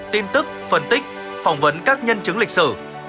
tin tức phân tích phỏng vấn các nhân chứng lịch sử